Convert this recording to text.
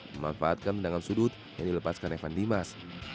memanfaatkan dalam sudut yang dilepaskan evan dimas